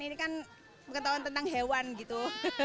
ini kan pengetahuan tentang hewan gitu